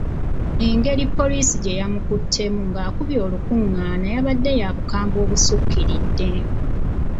Engeri poliisi gye yamukuttemu ng’akubye olukung’aana yabadde ya bukambwe obusukkiridde.